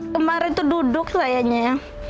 kemarin tuh duduk sayangnya